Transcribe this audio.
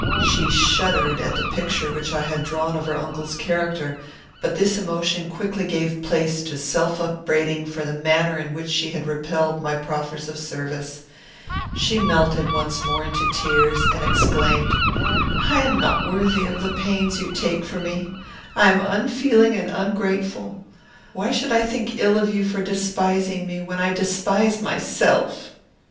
She shuddered at the picture which I had drawn of her uncle's character; but this emotion quickly gave place to self upbraiding for the manner in which she had repelled my proffers of service. She melted once more into tears, and exclaimed, "I am not worthy of the pains you take for me. I am unfeeling and ungrateful. Why should I think ill of you for despising me, when I despise myself?"